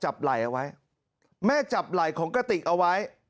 ไหล่เอาไว้แม่จับไหล่ของกระติกเอาไว้